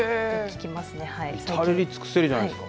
至れりつくせりじゃないですか。